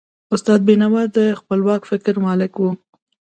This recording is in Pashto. استاد بینوا د خپلواک فکر مالک و.